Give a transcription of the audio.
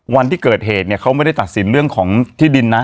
วันที่เกิดเหตุเนี่ยเขาไม่ได้ตัดสินเรื่องของที่ดินนะ